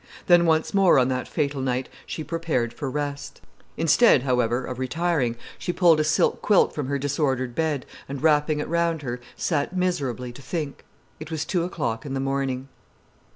Then once more on that fatal night she prepared for rest. Instead, however, or retiring, she pulled a silk quilt from her disordered bed and wrapping it round her, sat miserably to think. It was two o'clock in the morning.